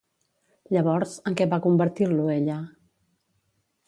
Llavors, en què va convertir-lo ella?